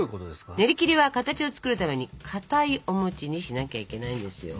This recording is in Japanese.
ねりきりは形を作るためにかたいお餅にしなきゃいけないんですよ。